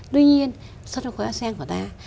tuy nhiên so với khối asean của ta